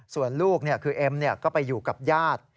ส่วนลูกเนี่ยคือเอมเนี่ยก็ไปอยู่กับญาติ